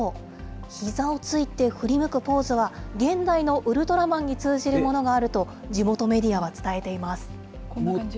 ひざをついて振り向くポーズは、現代のウルトラマンに通じるものがあると、地元メディアは伝えています。